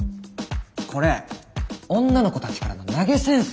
これ女の子たちからの投げ銭っすよ。